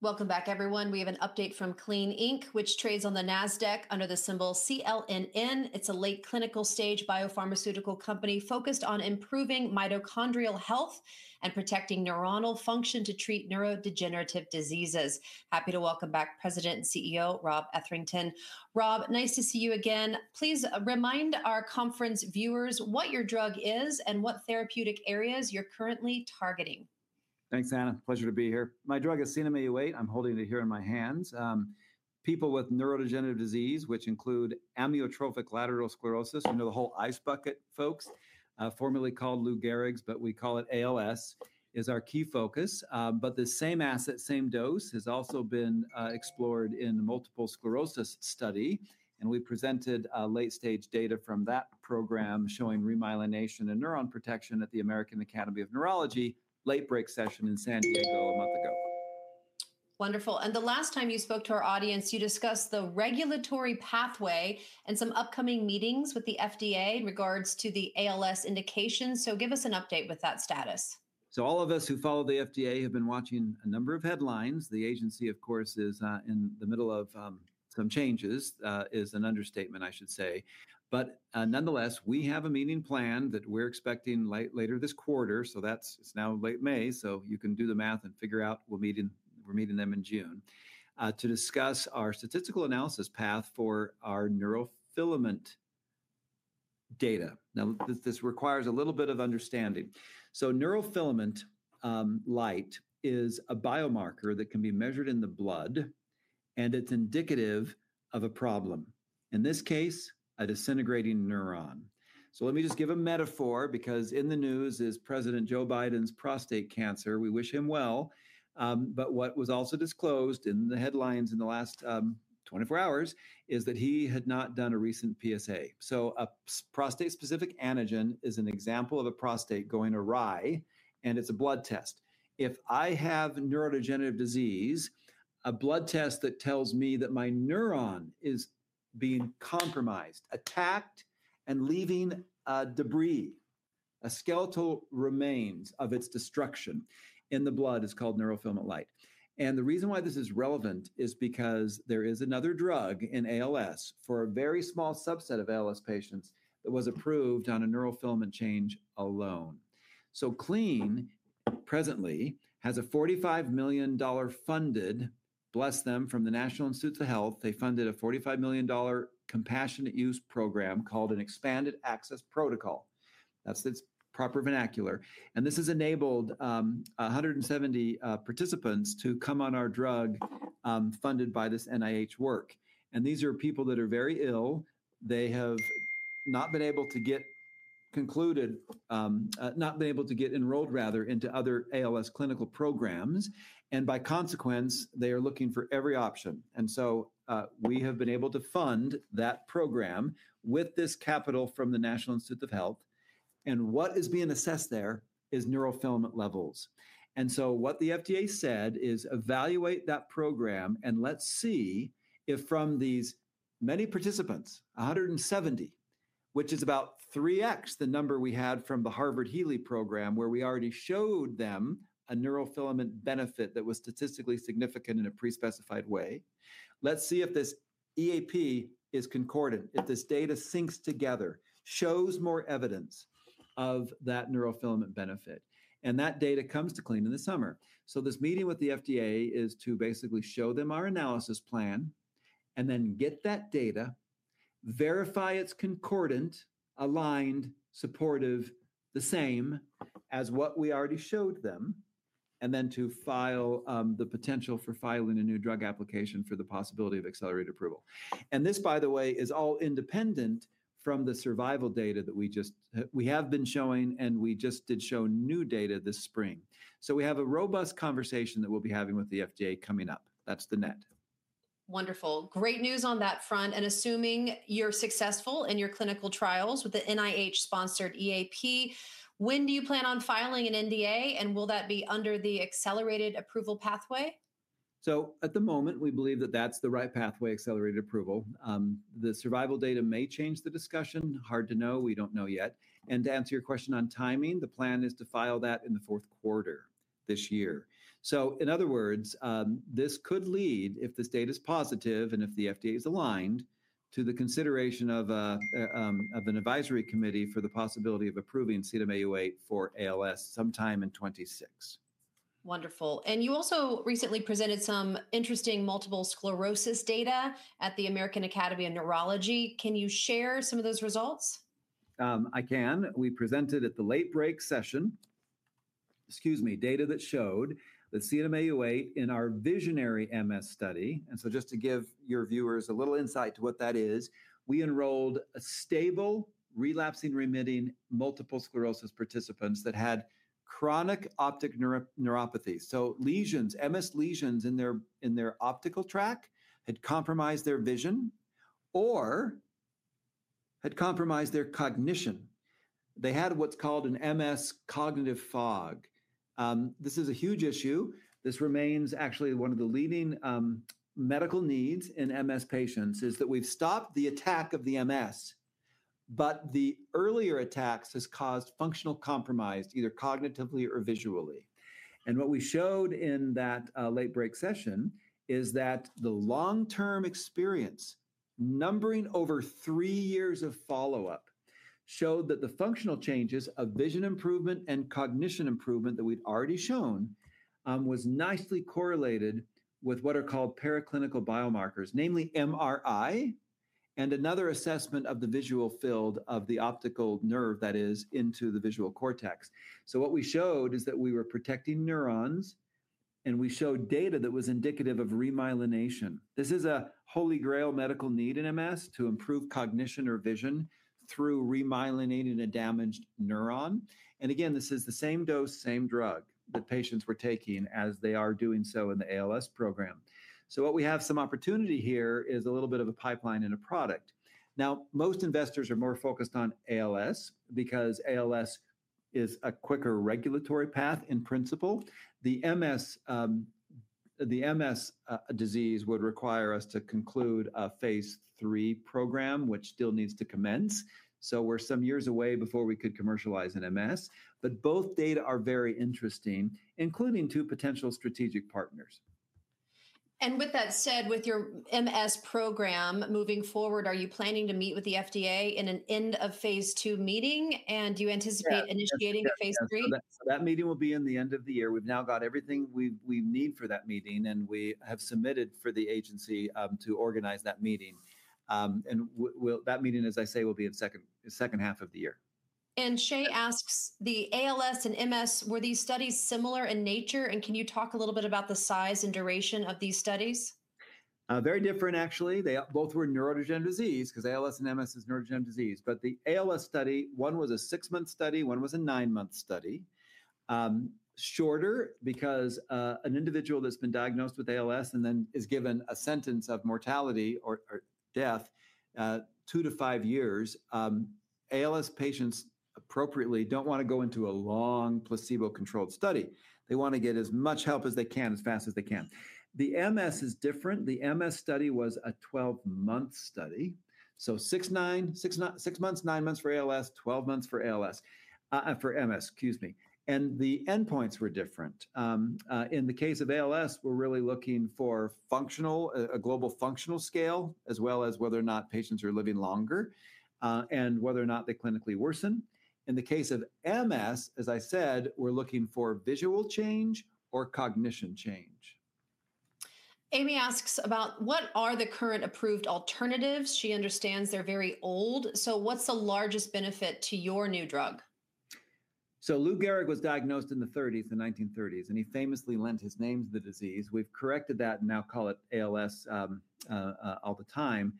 Welcome back, everyone. We have an update from Clene, which trades on the Nasdaq under the symbol CLNN. It's a late clinical stage biopharmaceutical company focused on improving mitochondrial health and protecting neuronal function to treat neurodegenerative diseases. Happy to welcome back President and CEO Rob Etherington. Rob, nice to see you again. Please remind our conference viewers what your drug is and what therapeutic areas you're currently targeting. Thanks, Anna. Pleasure to be here. My drug is CNM-Au8. I'm holding it here in my hands. People with neurodegenerative disease, which include amyotrophic lateral sclerosis, you know, the whole ice bucket folks, formerly called Lou Gehrig's, but we call it ALS, is our key focus. The same asset, same dose, has also been explored in a multiple sclerosis study. We presented late-stage data from that program showing remyelination and neuron protection at the American Academy of Neurology late-break session in San Diego a month ago. Wonderful. The last time you spoke to our audience, you discussed the regulatory pathway and some upcoming meetings with the FDA in regards to the ALS indications. Give us an update with that status. All of us who follow the FDA have been watching a number of headlines. The agency, of course, is in the middle of some changes, is an understatement, I should say. Nonetheless, we have a meeting planned that we're expecting later this quarter. That's now late May. You can do the math and figure out we're meeting them in June to discuss our statistical analysis path for our neurofilament data. This requires a little bit of understanding. Neurofilament light is a biomarker that can be measured in the blood, and it's indicative of a problem. In this case, a disintegrating neuron. Let me just give a metaphor, because in the news is President Joe Biden's prostate cancer. We wish him well. What was also disclosed in the headlines in the last 24 hours is that he had not done a recent PSA. A prostate-specific antigen is an example of a prostate going awry, and it's a blood test. If I have neurodegenerative disease, a blood test that tells me that my neuron is being compromised, attacked, and leaving debris, a skeletal remains of its destruction in the blood is called neurofilament light. The reason why this is relevant is because there is another drug in ALS for a very small subset of ALS patients that was approved on a neurofilament change alone. Clene, presently, has a $45 million funded, bless them, from the National Institutes of Health. They funded a $45 million compassionate use program called an expanded access protocol. That's its proper vernacular. This has enabled 170 participants to come on our drug funded by this NIH work. These are people that are very ill. They have not been able to get concluded, not been able to get enrolled, rather, into other ALS clinical programs. By consequence, they are looking for every option. We have been able to fund that program with this capital from the National Institutes of Health. What is being assessed there is neurofilament levels. What the FDA said is evaluate that program and let's see if from these many participants, 170, which is about 3x the number we had from the Harvard Healy program, where we already showed them a neurofilament benefit that was statistically significant in a pre-specified way, let's see if this EAP is concordant, if this data syncs together, shows more evidence of that neurofilament benefit. That data comes to Clene in the summer. This meeting with the FDA is to basically show them our analysis plan and then get that data, verify it's concordant, aligned, supportive, the same as what we already showed them, and then to file the potential for filing a new drug application for the possibility of accelerated approval. By the way, this is all independent from the survival data that we have been showing, and we just did show new data this spring. We have a robust conversation that we'll be having with the FDA coming up. That's the net. Wonderful. Great news on that front. Assuming you're successful in your clinical trials with the NIH-sponsored EAP, when do you plan on filing an NDA? Will that be under the accelerated approval pathway? At the moment, we believe that that's the right pathway, accelerated approval. The survival data may change the discussion. Hard to know. We don't know yet. To answer your question on timing, the plan is to file that in the fourth quarter this year. In other words, this could lead, if this data is positive and if the FDA is aligned, to the consideration of an advisory committee for the possibility of approving CNM-Au8 for ALS sometime in 2026. Wonderful. You also recently presented some interesting multiple sclerosis data at the American Academy of Neurology. Can you share some of those results? I can. We presented at the late-break session, excuse me, data that showed the CNM-Au8 in our Visionary MS study. And just to give your viewers a little insight to what that is, we enrolled stable, relapsing-remitting multiple sclerosis participants that had chronic optic neuropathy. So lesions, MS lesions in their optical tract had compromised their vision or had compromised their cognition. They had what's called an MS cognitive fog. This is a huge issue. This remains actually one of the leading medical needs in MS patients, is that we've stopped the attack of the MS, but the earlier attacks have caused functional compromise, either cognitively or visually. What we showed in that late break session is that the long-term experience, numbering over three years of follow-up, showed that the functional changes of vision improvement and cognition improvement that we'd already shown was nicely correlated with what are called periclinical biomarkers, namely MRI and another assessment of the visual field of the optic nerve that is into the visual cortex. What we showed is that we were protecting neurons, and we showed data that was indicative of remyelination. This is a Holy Grail medical need in MS to improve cognition or vision through remyelinating a damaged neuron. Again, this is the same dose, same drug that patients were taking as they are doing so in the ALS program. What we have some opportunity here is a little bit of a pipeline and a product. Now, most investors are more focused on ALS because ALS is a quicker regulatory path in principle. The MS disease would require us to conclude a phase III program, which still needs to commence. We are some years away before we could commercialize an MS. Both data are very interesting, including two potential strategic partners. With that said, with your MS program moving forward, are you planning to meet with the FDA in an end-of-phase two meeting? And do you anticipate initiating a phase III? That meeting will be in the end of the year. We've now got everything we need for that meeting, and we have submitted for the agency to organize that meeting. That meeting, as I say, will be in the second half of the year. Shay asks, the ALS and MS, were these studies similar in nature? Can you talk a little bit about the size and duration of these studies? Very different, actually. They both were neurodegenerative disease because ALS and MS is neurodegenerative disease. But the ALS study, one was a six-month study, one was a nine-month study. Shorter because an individual that's been diagnosed with ALS and then is given a sentence of mortality or death, two to five years, ALS patients appropriately don't want to go into a long placebo-controlled study. They want to get as much help as they can, as fast as they can. The MS is different. The MS study was a 12-month study. So six months, nine months for ALS, 12 months for MS, excuse me. And the endpoints were different. In the case of ALS, we're really looking for a global functional scale, as well as whether or not patients are living longer and whether or not they clinically worsen. In the case of MS, as I said, we're looking for visual change or cognition change. Amy asks about what are the current approved alternatives. She understands they're very old. What's the largest benefit to your new drug? Lou Gehrig was diagnosed in the 1930s, and he famously lent his name to the disease. We have corrected that and now call it ALS all the time.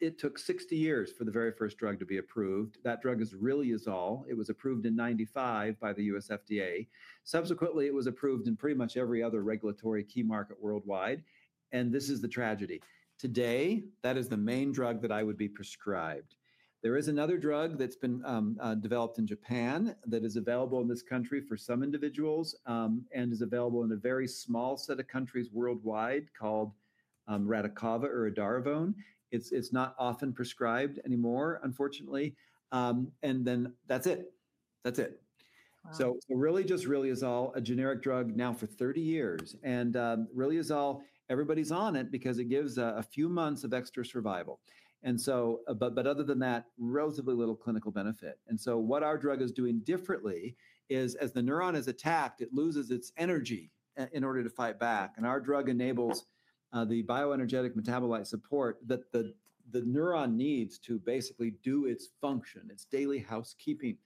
It took 60 years for the very first drug to be approved. That drug is really Riluzole. It was approved in 1995 by the US FDA. Subsequently, it was approved in pretty much every other regulatory key market worldwide. This is the tragedy. Today, that is the main drug that I would be prescribed. There is another drug that has been developed in Japan that is available in this country for some individuals and is available in a very small set of countries worldwide called Radicava or Edaravone. It is not often prescribed anymore, unfortunately. That is it. That is it. So really just really Riluzole, a generic drug now for 30 years. Really, Riluzole, everybody's on it because it gives a few months of extra survival. Other than that, relatively little clinical benefit. What our drug is doing differently is as the neuron is attacked, it loses its energy in order to fight back. Our drug enables the bioenergetic metabolite support that the neuron needs to basically do its function, its daily housekeeping.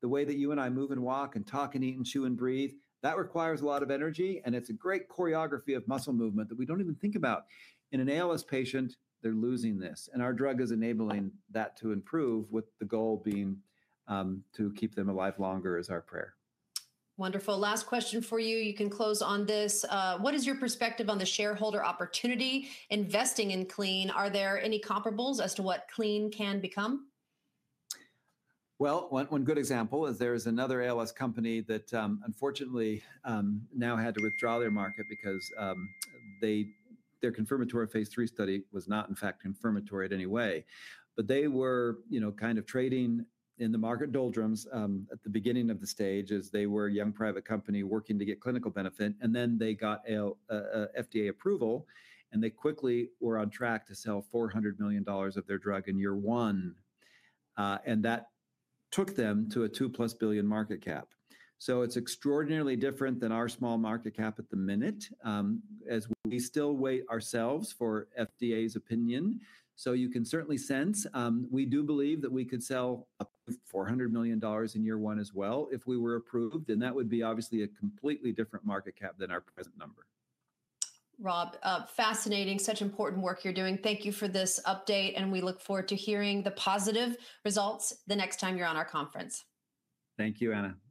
The way that you and I move and walk and talk and eat and chew and breathe, that requires a lot of energy. It is a great choreography of muscle movement that we do not even think about. In an ALS patient, they are losing this. Our drug is enabling that to improve with the goal being to keep them alive longer is our prayer. Wonderful. Last question for you. You can close on this. What is your perspective on the shareholder opportunity investing in Clene? Are there any comparables as to what Clene can become? One good example is there is another ALS company that unfortunately now had to withdraw their market because their confirmatory phase III study was not, in fact, confirmatory in any way. They were kind of trading in the market doldrums at the beginning of the stage as they were a young private company working to get clinical benefit. They got FDA approval, and they quickly were on track to sell $400 million of their drug in year one. That took them to a $2 billion market cap. It is extraordinarily different than our small market cap at the minute as we still wait ourselves for FDA's opinion. You can certainly sense we do believe that we could sell $400 million in year one as well if we were approved. That would be obviously a completely different market cap than our present number. Rob, fascinating, such important work you're doing. Thank you for this update. We look forward to hearing the positive results the next time you're on our conference. Thank you, Anna.